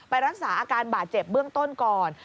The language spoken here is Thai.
รักษาอาการบาดเจ็บเบื้องต้นก่อน